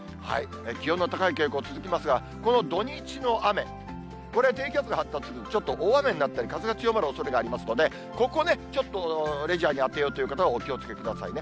気温の高い傾向、続きますが、この土日の雨、これ、低気圧が発達する、ちょっと大雨になったり、風が強まるおそれがありますので、ここね、ちょっとレジャーに当てようという方はお気をつけくださいね。